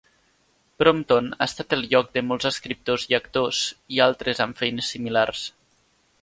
Brompton ha estat el lloc de molts escriptors i actors, i altres amb feines similars.